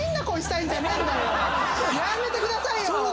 やめてくださいよ！